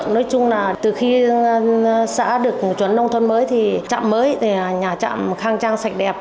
nói chung là từ khi xã được chuẩn nông thôn mới thì trạm mới nhà trạm khang trang sạch đẹp